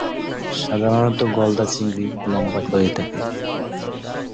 সাধারণতঃ গলদা-চিংড়ি লম্বায় হয়ে থাকে।